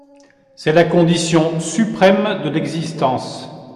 C'est la condition suprême de l'existence.